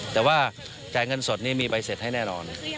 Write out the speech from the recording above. แต่ว่าจ่ายเงินสดนี้มีใบเสร็จให้แน่นอน